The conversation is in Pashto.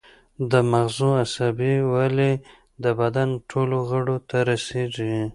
د مغزو عصبي ولۍ د بدن ټولو غړو ته رسیږي